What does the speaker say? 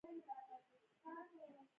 هند غواړي پرمختللی هیواد شي.